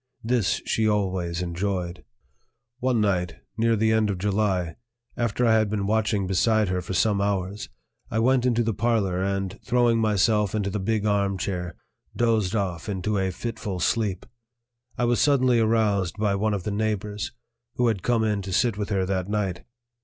This she always enjoyed. One night, near the end of July, after I had been watching beside her for some hours, I went into the parlor and, throwing myself into the big arm chair, dozed off into a fitful sleep. I was suddenly aroused by one of the neighbors, who had come in to sit with her that night.